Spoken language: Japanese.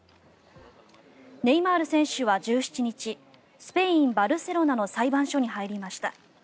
ネイマール選手は１７日スペイン・バルセロナの裁判所に入りました。